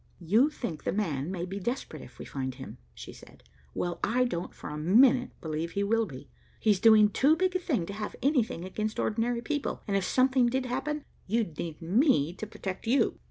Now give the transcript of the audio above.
"You think 'the man' may be desperate if we find him," she said. "Well, I don't for a minute believe he will be. He's doing too big a thing to have anything against ordinary people, and if something did happen, you'd need me to protect you."